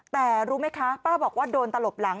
แต่รู้ไหมคะป้าบอกว่าโดนตลบหลัง